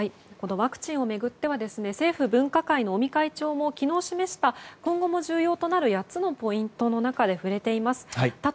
ワクチンを巡っては政府分科会の尾身会長が今後も重要となる８つのポイントの中で触れています。